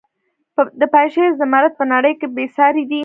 د پنجشیر زمرد په نړۍ کې بې ساري دي